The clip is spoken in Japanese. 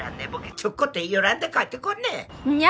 ちょっこって言いよらんで帰って来んねんにゃ！